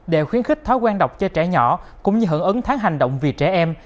để khuyến khích thói quen đọc cho trẻ nhỏ cũng như hưởng ứng tháng hành động vì trẻ em